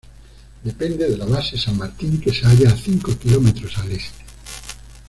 Depende de la base San Martín, que se halla a cinco kilómetros al este.